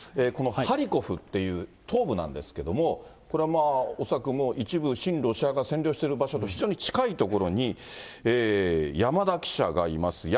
このハリコフっていう東部なんですけれども、これは恐らく一部、親ロシア派が占領している場所に、非常に近い所に山田記者がいます。